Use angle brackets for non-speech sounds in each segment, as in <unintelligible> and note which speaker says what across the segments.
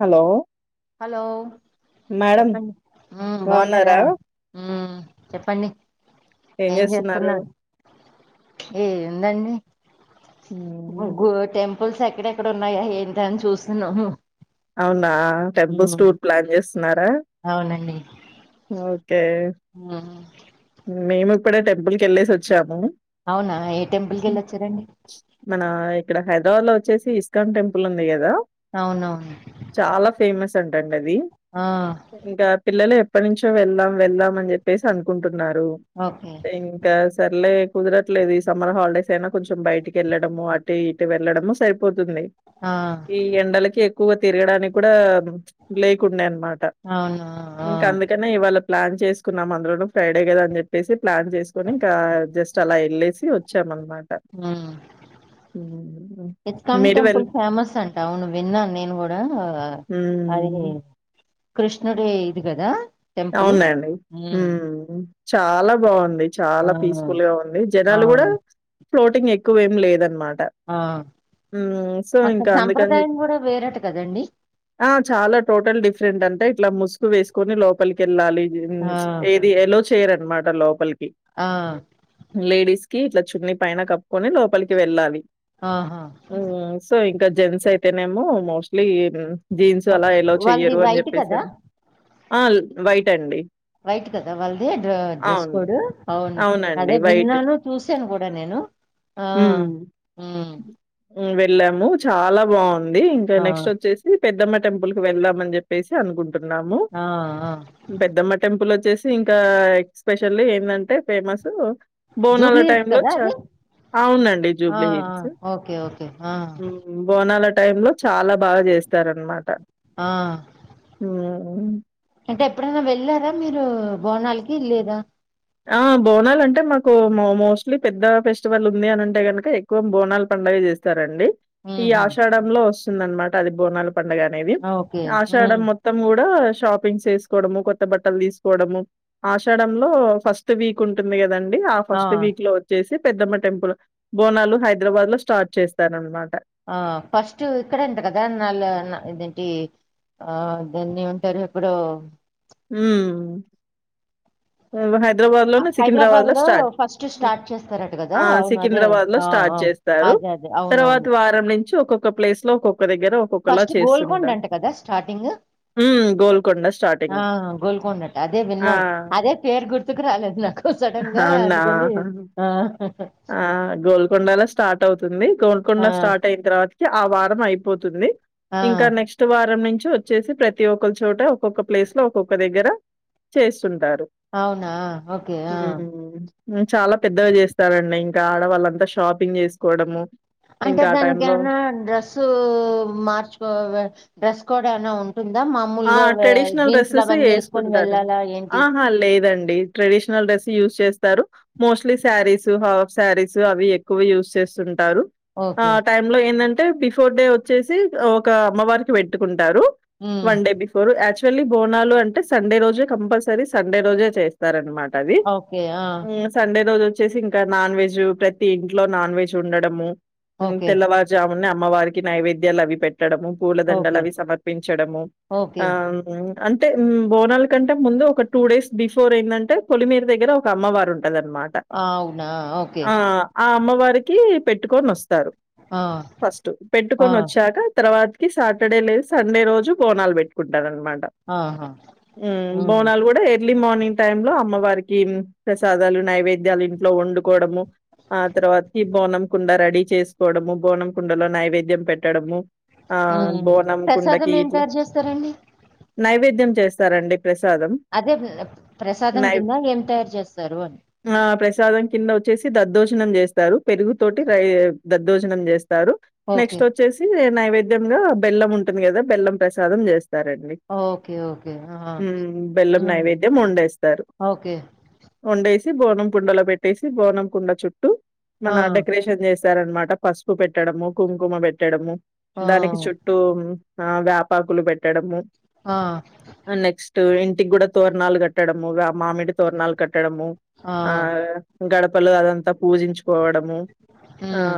Speaker 1: Hello
Speaker 2: hello
Speaker 1: madam
Speaker 2: చెప్పండి ఉ బాగున్నారా ఉ చెప్పండి
Speaker 1: ఏం చేస్తున్నారు
Speaker 2: ఎల్లండి
Speaker 1: ఉమ్
Speaker 2: గో <inaudible> టెంపుల్ ఫుల్స్ ఎక్కడెక్కడ ఉన్నాయా ఏంటా అని చూస్తున్నాం
Speaker 1: అవునా టెంపుల్స్ టూర్ ప్లాన్ చేస్తున్నారా ఓకే
Speaker 2: ఉ
Speaker 1: ఉ మేము ఇప్పుడే టెంపుల్ కి వెళ్లేసి వచ్చాము
Speaker 2: అవునా ఏ టెంపుల్కి ఎళ్ళొచ్చారండి
Speaker 1: మన ఇక్కడ హైదరాబాద్ లో వచ్చేసి ఇస్కాన్ టెంపుల్ ఉంది కదా
Speaker 2: అవునవును
Speaker 1: చాలా ఫేమస్ అంటండి అది
Speaker 2: ఆ
Speaker 1: ఇంకా పిల్లలే ఎప్పటి నుంచో వెళ్దాం వెళ్దాం అని చెప్పేసి అనుకుంటున్నారు
Speaker 2: ఓకే
Speaker 1: ఇంకా సర్లే కుదరట్లేదు ఈ సమ్మర్ హాలిడేస్ అయినా కొంచెం బయటికి ఎళ్ళడము అ టే ఇటు వెళ్లడము సరిపోతుంది
Speaker 2: ఆ
Speaker 1: ఈ ఎండలకి ఎక్కువగా తిరగడానికి కూడా లేకుండే అనమాట
Speaker 2: అవును ఆ
Speaker 1: ఇంకా అందు కనే ఇవాళ ప్లాన్ చేసుకున్నాం అందులోనూ ఫ్రైడే కదా అని చెప్పేసి ప్లాన్ చేసుకొని ఇంకా జస్ట్ అలా ఎళ్ళేసి వచ్చామంత్
Speaker 2: ఊ
Speaker 1: హ్మ్.
Speaker 2: ఇస్కాన్
Speaker 1: మీరు వెళ్
Speaker 2: టెంపుల్ ఫేమస్ అంట అవును విన్నాను నేను కూడా అదే
Speaker 1: హ్మ్.
Speaker 2: కృష్ణుడి ఇది కదా టెంపుల్
Speaker 1: అవునండి ఊ
Speaker 2: మ్మ్
Speaker 1: చాలా బాగుంది
Speaker 2: ఆ
Speaker 1: చాలా పీస్ఫుల్ గా ఉంది
Speaker 2: ఆ
Speaker 1: జనాలు కూడా ఫ్లోటింగ్ ఎక్కువేమి లేదనమాట
Speaker 2: ఆ
Speaker 1: ఊమ్ సో ఇంకా అందుకని చెప్పి
Speaker 2: రండి
Speaker 1: ఆ చాలా టోటల్ డిఫరెంట్ అంటే ఇట్లా ముసుగు వేసుకొని లో కెళ్ళాలి
Speaker 2: ఆ
Speaker 1: ఏది ఎలో చేయరనమాట లోపలికి
Speaker 2: ఆ
Speaker 1: లేడీస్ కి ఇట్లా చున్ని పైన కప్పుకొని లోపలికి వెళ్ళాలి
Speaker 2: ఆహా
Speaker 1: సో ఇంకా జెంట్స్ అయితేనేమో మోస్ట్ లీ జీన్స్ అలా ఎలో
Speaker 2: వాళ్ళది
Speaker 1: చెయ్యరు అని
Speaker 2: వైట్
Speaker 1: చెప్పేసి
Speaker 2: కదా
Speaker 1: ఆ వైట్ అండి
Speaker 2: వైట్ కదా వాళ్ళది డ్ర డ్రెస్
Speaker 1: అవును.
Speaker 2: కోడ్ అవును
Speaker 1: అవునండి.
Speaker 2: అదే
Speaker 1: వైట్.
Speaker 2: విన్నాను చూసాను కూడా నేను ఆ
Speaker 1: హ్మ్.
Speaker 2: ఊ
Speaker 1: వెళ్ళాము చాలా బాగుంది ఇంకా
Speaker 2: ఆ
Speaker 1: నెక్స్ట్ వచ్చేసి సి పెద్దమ్మ టెంపుల్ కి వెళ్దాం అని చెప్పేసి అనుకుంటున్నాము
Speaker 2: ఆ ఆ
Speaker 1: పెద్దమ్మ టెంపుల్ వచ్చేసి ఇంకా ఎక్స్పెసియల్లీ ఏందంటే ఫేమసు బోనాల
Speaker 2: జూబ్లీ హిల్స్
Speaker 1: టైంలో
Speaker 2: కదా
Speaker 1: చ
Speaker 2: అది
Speaker 1: అవునండి
Speaker 2: ఆ
Speaker 1: జూబ్లీ
Speaker 2: ఆ
Speaker 1: హిల్స్
Speaker 2: ఓకే ఓకే ఆ
Speaker 1: బోనాల టైమ్ లో చాలా బాగా చేస్తారనమాట
Speaker 2: ఆ
Speaker 1: ఊ ఊ
Speaker 2: అంటే ఎప్పుడైనా వెళ్ళారా మీరు బోనాలకి లేదా
Speaker 1: ఆ బోనాలు అంటే మాకు మో మోస్ట్లీ పెద్ద ఫెస్టివల్ ఉంది అని అంటే గనుక క్కువ బోనాలు పండగ చేస్తారండి ఈ
Speaker 2: ఉహు
Speaker 1: ఆషాఢ లో వస్తుందనమాట అది బోనాలు పండగ అనేది
Speaker 2: ఓకే
Speaker 1: ఆషాడం
Speaker 2: ఉమ్
Speaker 1: మొత్ త్తం కూడా షాపింగ్ చేసుకోవడము కొత్త బట్టలు తీసుకోవడము ఆషాడంలో ఫస్ట్ వీక్ ఉంటుంది కదండి ఆ ఫస్ట్ వీక్ లో చేసి పెద్దమ్మ టెంపుల్ బోనాలు హైదరాబాద్ లో స్టార్ట్ చేస్తారనమాట
Speaker 2: ఆ ఫస్ట్ ఇక్కడేంట కదా నల్ ఇదేంటి ఆ దాన్నేమంటారు ఇప్పుడు
Speaker 1: ఊ మేము హైదరాబాద్ లోనే సికింద్రాబాద్
Speaker 2: హైదరాబాద్
Speaker 1: లో స్టార్ట్
Speaker 2: ఫస్ట్ స్టార్ట్ చేస్తారట కదా
Speaker 1: ఆ
Speaker 2: అవును అదే
Speaker 1: సికింద్రాబాద్ లో
Speaker 2: ఆ
Speaker 1: స్టార్ట్
Speaker 2: ఆ
Speaker 1: చేస్ తారు
Speaker 2: అదే అదే
Speaker 1: తర్వాత
Speaker 2: అవునవును
Speaker 1: వారం నుంచి ఒక్కొక్క ప్లేస్ లో ఒక్కొక్క దగ్గర ఒక్కొక్కలా
Speaker 2: ఫస్ట్ గోల్కొండ
Speaker 1: చేస్తుంటారు.
Speaker 2: అంట కదా స్టార్టింగ్
Speaker 1: హ్మ్ గోల్కొండ స్టార్టింగ్
Speaker 2: ఆ గోల్కొండ అంట అదే
Speaker 1: ఆ!
Speaker 2: విన్నాను అదే పేరు గుర్తుకు రాలేదు నాకు సడన్ గా
Speaker 1: అవునా!
Speaker 2: అందుకని
Speaker 1: ఆహా!
Speaker 2: ఆ హ హ
Speaker 1: ఆ గోల్కొండలో స్టార్ట్ అవుతుంది
Speaker 2: ఆ
Speaker 1: గోల్కొండ స్టార్ట్ అయి తర్వాతకి ఆ వారం అయిపోతుంది
Speaker 2: ఆ
Speaker 1: ఇంకా నెక్స్ట్ వారం నుంచి వచ్చేసి ప్రతి ఒక చోట ఒక్కొక్క ప్లేస్ లో ఒక్కొక్క దగ్గర చేస్తుంటారు
Speaker 2: అవునా ఓకే ఆ
Speaker 1: ఉమ్ చాలా పెద్దగా చేస్త ఇంక ఆడవాళ్ళంతా షాపింగ్ నేసుకోవడము
Speaker 2: అంటే దానికి ఏమైనా డ్రెస్సు మార్చుకో డ్రెస్సు కోడ్ ఏనా ఉంటు ఉంద మం
Speaker 1: ఆ ట్రెడిషనల్ డ్రెస్సెస్ వేసుకుంటారు
Speaker 2: వెళ్ళాలా ఏంటి?
Speaker 1: ఆహా లేదుఅండి ట్రెడిషనల్ డ్రెస్సు యూస్ చేస్తారు మోస్టలీ శారీస్ హాఫ్ శారీస్ అవి ఎక్కువ యూస్ చేస్తుంటారు ఆ
Speaker 2: ఓకే.
Speaker 1: టైమ్ లో ఏందంటే బిఫోర్ డే వచ్చేసి ఒక అమ్మవారికి పెట్టుకుంటారు
Speaker 2: హ్మ్.
Speaker 1: One day before actually Bonalu అంటే సండే రోజు కంపల్సరీ సండే రోజు చేస్తా సరనమాట అది...
Speaker 2: ఓకే. ఆ!
Speaker 1: ఉ సండే రోజు వచ్చేసి ఇంకా నాన్ వెెజ్ ప్రతి ఇంట్లో నాన్ వెెజ్ ఉండడము ఉ
Speaker 2: ఓకే.
Speaker 1: తెల్లవారు జామున్నే అమ్మవారికి నైవేద్యాలు అవి పెట్టడము పూలదండలు
Speaker 2: ఓకే.
Speaker 1: అవి సమర్పించడము
Speaker 2: ఓకే.
Speaker 1: ఆ... ఉ అంటే బోనాలు కంటే ముందు ఒక టూ డేస్ బిఫోర్ ఏంటంటేయ్ పొలి మీద దగ్గర ఒక అమ్మవారు ఉంటది అన్నమాట
Speaker 2: ఆ! అవునా! ఓకే.
Speaker 1: ఆ ఆ అమ్మవారికి పెట్టుకొని వస్తారు
Speaker 2: ఆ!
Speaker 1: ఫస్ట్
Speaker 2: ఆ!
Speaker 1: పెట్టుకొని వచ్చాక తర్వాతకి సాటర్డే లేదు సండే రోజు బోనాలు పెట్టుకుంటారునమాట
Speaker 2: ఆహా!
Speaker 1: ఉ
Speaker 2: హ్మ్.
Speaker 1: బోనాలు కూడా ఎర్లీ మార్నింగ్ టైం లో అమ్మవారికి ఉ ప్రసాదాలు నైవేద్యాలు ఇంట్లో వండుకోవడము ఆ తర్వాతకి బోనం కుండ రెడీ చేసుకోవడము బోనం కుండలు నైవేద్యం పెట్టడము ఆ బోనం కుండకిీ ఇట్ల
Speaker 2: సరే అండి <unintelligible>
Speaker 1: నైవేద్యం చేస్తారండి ప్రసాదం
Speaker 2: అదే.... ప్రసాదం
Speaker 1: నై
Speaker 2: కింద ఏం తయారు చేస్తారు అని
Speaker 1: ఆ ప్రసాదం కింద వచ్చేసి దద్దోజనం చేస్తారు పెరుగు తోటి రై దద్దోజనం చేస్తారు
Speaker 2: ఓకే.
Speaker 1: నెక్స్ట్ వచ్చేసి నైవేద్యంలో బెల్లం ఉంటుంది కదా బెల్లం ప్రసాదం చేస్తారండి
Speaker 2: ఓకే. ఓకే. ఆహా!
Speaker 1: ఉ బెల్లం
Speaker 2: హ్మ్.
Speaker 1: నైవేద్యం వండేస్తారు
Speaker 2: ఓకే.
Speaker 1: వండేసి బోనం కుండలో పెట్టేసి బోనం కుండ చుట్టూ
Speaker 2: ఆ!
Speaker 1: మన డెకరేషన్ చేస్త దరంనమాట పసుపు పెట్టడము కుంకుమ పెట్టడము
Speaker 2: ఆ!
Speaker 1: దానికి చుట్టూ ఆ వ ఆకులు పెట్టడము
Speaker 2: ఆ..
Speaker 1: నెక్స్ట్ ఇంటికి కూడా తోర్నాలు కట్ కట్టడము ర మామిడి తోరనాలు కట్టడము ఆ గడపలో అదంతా పూజించుకోవడము ఆ
Speaker 2: హ్మ్.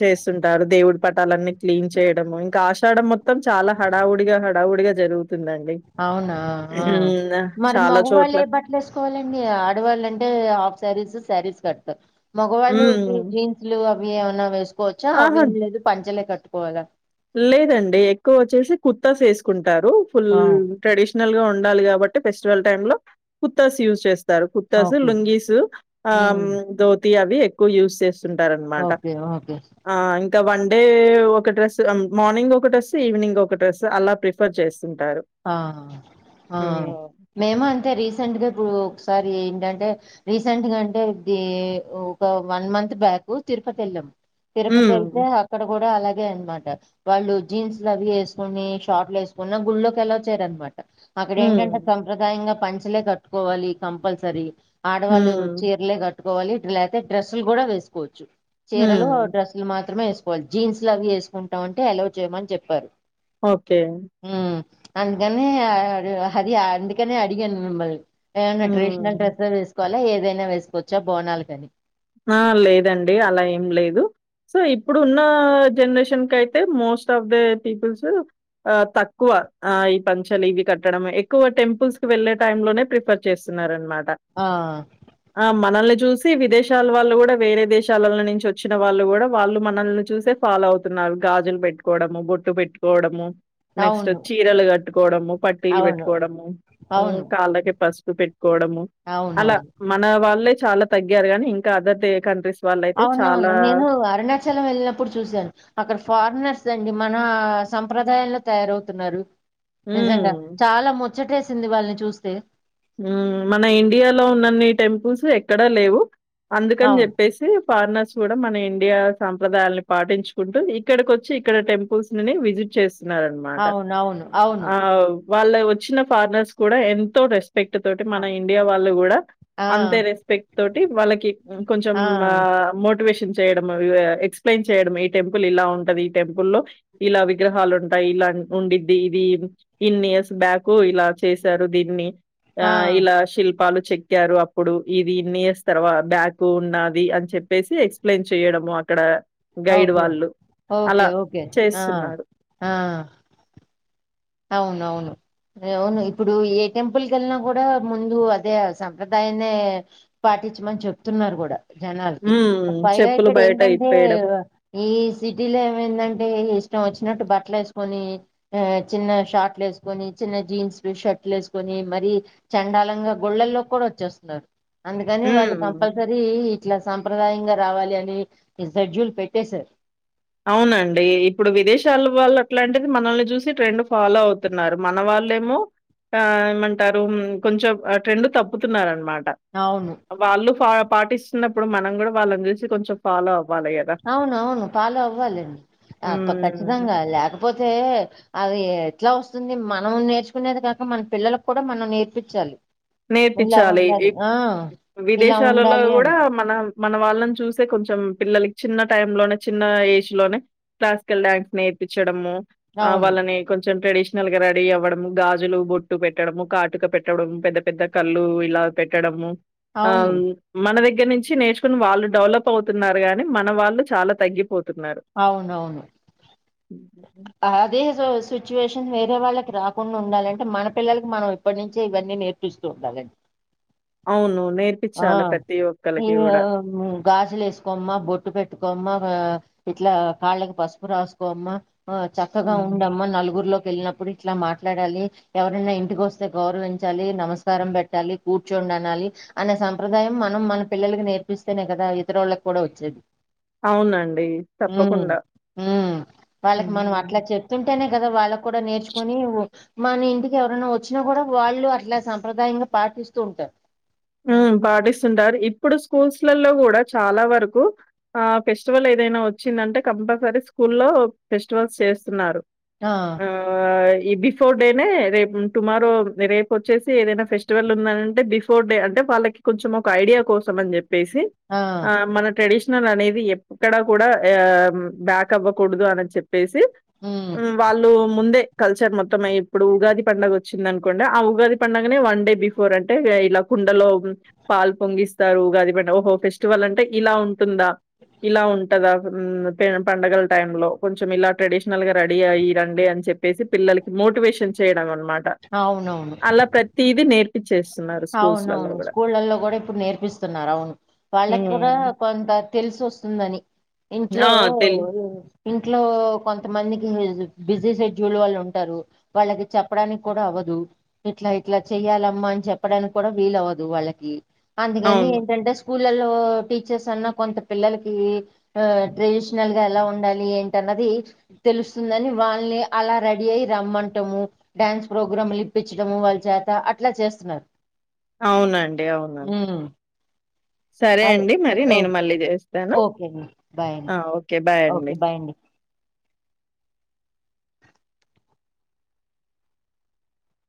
Speaker 1: చేస్తుంటారు దేవుడి పటాల అన్నీ క్లీన్ చేయడము ఇంకా ఆషాడం మొత్తం చాలా హడావుడిగా హడావుడిగా జరుగుతుందండి
Speaker 2: అవునా
Speaker 1: ఉ న చాలా చోట్ల
Speaker 2: వేసుకోవాలిండి ఆడవాళ్ళంటే హాఫ్ శారీస్ శారీస్ కడతారు మగవాళ్ళుకి
Speaker 1: హ్మ్.
Speaker 2: జీన్స్ లు అవి ఏమన్నా వేసుకోవచ్చా అవి
Speaker 1: ఆహా!
Speaker 2: ఏం లేదు పంచలే కట్టుకోవాలా
Speaker 1: లేదండి ఎక్కువ వచ్చేసి కుత్తాస్ వేసుకుంటారు ఫుల్
Speaker 2: ఆ
Speaker 1: ట్రెడిషనల్ గా ఉండాలి కాబట్టి ఫెస్టివల్ టైమ్ లో కుత్తాస్ యూజ్ చేస్త తరు కుర్తాసు,
Speaker 2: ఓకే
Speaker 1: లుంగీసు ఆ
Speaker 2: హ్మ్.
Speaker 1: ధోతి అవి ఎక్కువ యూజ్ చేస్ తుంటారనమాట
Speaker 2: ఓకే ఓకే
Speaker 1: అ ఇంకా వన్ డే ఒక డ్రెస్ మార్నింగ్ ఒక డ్రస్, ఈవినింగ్ ఒక డ్రస్, అలా ప్రిఫర్ చేస్తుంటారు.
Speaker 2: అ అ
Speaker 1: హ్మ్. ఓహ్!
Speaker 2: మేమూ అంతే రీసెంట్గా ఇప్పుడు ఒకసారి ఏంటంటే రీసెంట్గా అంటే ఈ ఒక వన్ మంత్ బ్యాక్ తిరుపతి వెళ్ళాం తిరుపతి వెళ్తే
Speaker 1: హ్మ్.
Speaker 2: అ అక్కడ కూడా అలాగే అనమాట, వాళ్ళు జీన్స్లు అవి వేసుకొని షార్ట్లు వేసుకుని గుళ్ళోకి ఎలవ్ చేయరన్నమాట, అక్కడ ఏంటంటే
Speaker 1: హ్మ్.
Speaker 2: సంప్రదాయంగా పంచలే కట్టుకోవాలి కంపల్సరీ ఆడవాళ్ళు
Speaker 1: హ్మ్.
Speaker 2: చీరలే కట్టుకోవాలి, లేకపోతే డ్రెస్సులు కూడా వేసుకోవచ్చు. చీరలు,
Speaker 1: హ్మ్.
Speaker 2: డ్రెస్ లు మాత్రమే వేసుకోవాలి జీన్సులు అవి వేసుకుంటామంటే ఎలవ్ చేయమని చెప్పారు.
Speaker 1: ఓకే
Speaker 2: ఉమ్ అందుకనే అది అందుకనే అడిగాను మిమ్మల్ ఏమన్నా ట్రెడిషనల్
Speaker 1: హ్మ్.
Speaker 2: డ్రెస్ లే వేసుకోవాలా, ఏదైనా వేసుకోవచ్చా బోనాలకి అని
Speaker 1: ఆ లేదండి అలా ఏం లేదు. సో ఇప్పుడు ఉన్న జనరేషన్ కి అయితే మోస్ట్ ఆఫ్ ద పీపుల్స్ ఆ తక్కువ ఆ ఈ పంచలు ఇవి కట్టడం, ఎక్కువ టెంపుల్స్ కి వెళ్ళే టైం లోనే ప్రిఫర్ చేస్తున్నారనమాట
Speaker 2: ఆ
Speaker 1: ఆ మనల్ని చూసి విదేశ దేశాల వాళ్ళు కూడా వేరే దేశాల నుంచి వచ్చిన వాళ్ళు కూడా వాళ్ళు మనల్ని చూసే ఫాలో అవుతున్నారు గాజులు పెట్ కోవడము, బొట్టు పెట్టుకోవడము నెక్స్ట్
Speaker 2: అవును
Speaker 1: చీరలు కట్టుకోవడము, పట్టీలు
Speaker 2: అవును
Speaker 1: పెట్టుకోవడము,
Speaker 2: అవును
Speaker 1: కాళ్ళకి పసుపు పెట్ కోడము అలా
Speaker 2: అవునవును
Speaker 1: మన వాళ్ళే చాలా తగ్గారు కానీ ఇంకా అదర్ కంట్రీస్ వాళ్ళైతే చాలా
Speaker 2: అవునవును నేను అరుణాచలం వెళ్ళినప్పుడు చూశాను. అక్కడ ఫారినర్స్ అండి మన సంప్రదాయాల్లో తయారవుతున్నారు. నిజంగా
Speaker 1: హ్మ్.
Speaker 2: చాలా ముచ్చటేసింది వాళ్ళని చూస్తే
Speaker 1: మన ఇండియాలో ఉన్నన్ని టెంపుల్స్ ఎక్కడా లేవు, అందుకని
Speaker 2: అవును
Speaker 1: చెప్పేసి ఫారినర్స్ కూడా మన ఇండియా సాంప్రదాయాాలని పాటించుకుంటూ ఇక్కడికి వచ్చి ఇక్కడ టెంపుల్స్ ని విజిట్ చేస్తూ నారన్నమాట
Speaker 2: అవును అవును అవును
Speaker 1: ఆ వాళ్ళ వచ్చిన ఫారినర్స్ కూడా ఎంతో రెస్ స్పెక్ట్ తోటి మన ఇండియా వాళ్ళు కూడా
Speaker 2: ఆ
Speaker 1: అంతే రెస్పెక్ట్ తోటి వాళ్ళకి కొంచెం
Speaker 2: ఆ
Speaker 1: మోటివేషన్ చేయడం ఎక్స్ప్లెయిన్ చేయడం ఈ టెంపుల్ ఇలా ఉంటది ఈ టెంపుల్ లో ఇలా విగ్రహాలు ఉంటాయి ఇలా ఉండిద్ది ఇది ఇన్ని ఇయర్స్ బ్యాక్ ఇలా చేశారు దీన్ని ఆ ఇలా శిల్పాలు చెక్ క్కారు అప్పుడు ఇది ఇన్ని ఇయర్స్ తర్వా బ్యాక్ ఉన్నది అని చెప్పేసి ఎక్స్ప్లెయిన్ చేయడము అక్కడ గైడ్
Speaker 2: ఓకే
Speaker 1: వాళ్ళు
Speaker 2: ఓకే
Speaker 1: అలా
Speaker 2: ఓకే ఆ
Speaker 1: చేస్తున్నారు
Speaker 2: ఆ అవును అవును అవును ఇప్పుడు ఏ టెంపుల్ కి వెళ్ళినా కూడా ముందు అదే సంప్రదాయమే పాటించమని చెప్తున్నారు కూడా జనాలకి,
Speaker 1: హ్మ్.
Speaker 2: పైగా
Speaker 1: చెప్పులు
Speaker 2: ఇక్కడ
Speaker 1: బయట
Speaker 2: ఏంటంటే
Speaker 1: ఇప్పేయడం.
Speaker 2: ఈ సిటీలో ఏమైందంటే ఇష్టం వచ్చినట్టు బట్టలు వేసుకొని ఆ చిన్న షార్ట్లు వేసుకొని, చిన్న జీన్స్ షర్ట్లు వేసుకొని మరి చండాలంగా గుళ్ళల్లోకి కూడా వచ్చేస్తున్నారు. అందుకని వాళ్ళు
Speaker 1: హ్మ్.
Speaker 2: కంపల్సరీ ఇట్లా సాంప్రదాయంగా రావాలి అని షెడ్యూల్ పెట్టేసారు.
Speaker 1: అవునండి ఇప్పుడు విదేశాలవాళ్ళు అట్లాంటిది మనల్ని చూసి ట్రెండ్ ఫాలో అవ్ న్నారు మన వాళ్ళేమో ఆ ఏమంటారు కొంచెం ట్రెండ్ తప్పుతున్నరు అనమాట
Speaker 2: అవును
Speaker 1: వాళ్ళు ఫ పాటిస్తున్నప్పుడు మనం కూడా వాళ్ళని కలిసి కొంచెం ఫాలో అవ్వాలి కదా
Speaker 2: అవున అవును ఫాలో అవ్వాలండి
Speaker 1: హ్మ్.
Speaker 2: ఖచ్చితంగా లేకపోతే అది ఎట్లా వస్తుంది మనం నేర్చుకునేది కాక మన పిల్లలకు కూడా మనం నేర్పిచాలి
Speaker 1: నేర్పచాలి
Speaker 2: ఇలా
Speaker 1: విదేశాలలో
Speaker 2: ఉండాలి
Speaker 1: కూడ
Speaker 2: అని
Speaker 1: మన మన వాళ్ళని చూసే కొంచెం పిల్లలకి చిన్న టై లోనే చిన్న ఏజ్ లోనే క్లాసికల్ డ్యాన్స్ నేర్పించడము ఆ
Speaker 2: అవును
Speaker 1: వాళ్ళని కొంచెం ట్రెడిషనల్ గా రెడీ అవ్వడం గాజులు బొట్టు పెట్టడము కాటుక పెట్టడం పెద్ద పెద్ద కళ్ళు ఇల పెట్టడము ఆ
Speaker 2: అవును
Speaker 1: మన దగ్గర నుంచి నేర్చుకుని వాళ్ళు డెవలప్ అవుతున్నారు గాని మన వాళ్ళు చాల తగ్గిపోతున్నారు
Speaker 2: అవునవును
Speaker 1: ఉ
Speaker 2: అదే సిచ్యువేషన్ వేరే వాళ్ళకి రాకుండా ఉండాలంటే మన పిల్లలకి మనం ఇప్పటి నుంచే ఇవన్నీ నేర్ <unintelligible>
Speaker 1: అవును నేర్పిచాల ప్రతి
Speaker 2: ఈ
Speaker 1: ఒక్కలకి కూడ
Speaker 2: గాజులు వేసుకోమ్మా బొట్టు పెట్టుకోమ్మా ఇట్లా కాళ్ళకి పసుపు రాసుకోమ్మా చక్కగా
Speaker 1: హ్మ్.
Speaker 2: ఉండమ్మా నలుగురు లో వెళ్ళినప్పుడు ఇట్ల మాట్లాడాలి ఎవరైనా ఇంటికి వస్తే గౌరవించాలి నమస్కారం పెట్టాలి కూర్చొండి అనాలి అనే సంప్రదాయం మనం మన పిల్లలకి నేర్పిస్తేనే కదా ఇతరు వాళ్ళకి కూడ వచ్చేది
Speaker 1: అవునండి.
Speaker 2: ఉ
Speaker 1: తప్పకుండా.
Speaker 2: ఉ వాళ్ళకి మనం
Speaker 1: హ్మ్.
Speaker 2: అట్లా చెప్ప <unintelligible> కదా వాళ్ళకు కూడా నేర్చుకొని మన ఇంటికి ఎవరైనా వచ్చినా కూడా వాళ్ళు అట్లా సంప్రదాయంగా పాటిస్తూ ఉంటారు
Speaker 1: ఉ పాటిస్తుంటారు ఇప్పుడు స్కూల్స్ లలో కూడ చాల వరకు ఆ ఫెస్టివల్ ఏదైనా వచ్చిందంటే కంపల్సరీ స్కూల్లో ఫెస్టివల్స్ చేస్తున్నారు
Speaker 2: ఆ
Speaker 1: ఆ ఈ బిఫోర్ డేనే రేపు టుమారో రేపు వచ్చేసి ఏదైనా ఫెస్ ఫెస్టివల్ ఉంది <unintelligible> బి ఫోర్ డే అ వాళ్ళకి కొంచెం ఒక ఐడియా కోసం అని చెప్పేసి
Speaker 2: ఆ
Speaker 1: మన ట్రెడి అనేది ఎక్కడా కూడా బ్యాక్ అవ్వకూడదు అని చెప్ ప్పేసి
Speaker 2: ఉమ్
Speaker 1: వాళ్ళు ముందే కల్చర్ మొత్తం ఇప్పుడు ఉగాది పండగ వచ్చింది అనుకొండి ఆ ఉగాది పండడుగనే వన్ డే బిఫోర్ అంటే ఇలా <unintelligible> పాలు పొంగిస్తారు గాది ప ఓహో ఫెస్టివల్ అంటే ఇలా ఉంటుంద ఇలా ఉంటదా పండగల టైమ్ లో కొంచెం ఇలా ట్రెడిషనల్ గా రెడీ అయ్య రండి అని చెప్ <unintelligible> పిల్లలకి మోటివేషన్ చేయడం అనమ
Speaker 2: అవునవును
Speaker 1: అలా ప్రతిది నేర్పి చేస్తున్నారు స్కూల్స్
Speaker 2: అవు అవును స్కూళ్ళలో కూడా ఇప్పుడు నేర్పిస్తున్నారు అవును వాళ్ళకి కూడా
Speaker 1: హ్మ్.
Speaker 2: కొంత తెలిసి వస్తుందని ఇంట్లో
Speaker 1: ఆ! తెల్
Speaker 2: ఇంట్లో కొంతమందికి బిజీ షెడ్యూల్ వాళ్ళు ఉంటారు వాళ్ళకి చెప్పడానికి కూడా అవ్వదు ఇట్లా ఇట్లా చెయ్యాలమ్మా అని చెప్ చెప్పడానికి కూడ వీలవ్వదు వాళ్ళకి అందుకని
Speaker 1: అవును.
Speaker 2: ఏంటంటే స్కూళ్లలో టీచర్స్ అన్న కొంత పిల్లలకి ఆ ట్రెడిషనల్గా ఎలా ఉండాలి ఏంటన్నది తెలుస్తుందని వాళ్ళే అలా రెడీ అయి రమ్మంటము డ్యాన్స్ ప్రోగ్రామ్ లు ఇప్పించడము వాళ్ళ చేత అట్లా చేస్తున్నారు
Speaker 1: అవునండి అవున
Speaker 2: హ్మ్
Speaker 1: సరే
Speaker 2: అదే
Speaker 1: అండి మరి
Speaker 2: ఓ
Speaker 1: నేను మళ్ళీ చేస్తాను
Speaker 2: ఓకే అండి బాయ్ అండి
Speaker 1: ఆ ఓకే బాయ్
Speaker 2: ఓకే
Speaker 1: అండి
Speaker 2: బాయ్